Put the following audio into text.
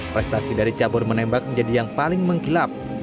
prestasi dari cabur menembak menjadi yang paling mengkilap